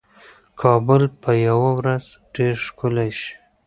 کابل به یوه ورځ ډېر ښکلی شي.